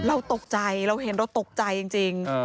เราตกใจเราเห็นเราตกใจจริง